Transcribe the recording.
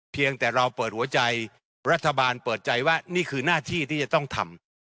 เพียงแต่เราเปิดหัวใจรัฐบาลเปิดใจว่านี่คือหน้าที่ที่จะต้องทำ